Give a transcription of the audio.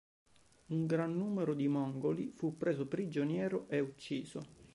Un gran numero di Mongoli fu preso prigioniero e ucciso.